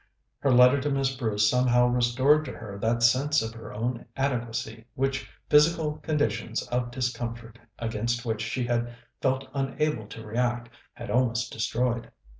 Her letter to Miss Bruce somehow restored to her that sense of her own adequacy which physical conditions of discomfort, against which she had felt unable to react, had almost destroyed.